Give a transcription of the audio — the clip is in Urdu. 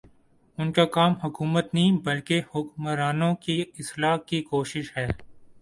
ان کا کام حکومت نہیں، بلکہ حکمرانوں کی اصلاح کی کوشش ہے